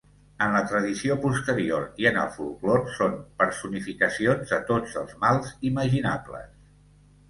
En la tradició posterior i en el folklore, són personificacions de tots els mals imaginables.